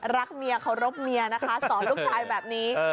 รักเมียเคารพเมียนะคะสอนลูกชายแบบนี้